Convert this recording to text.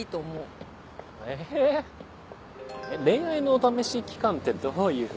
恋愛のお試し期間ってどういう。